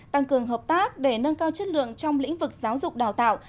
tăng cường hợp tác để nâng cao chất lượng trong lĩnh vực giáo dục đào tạo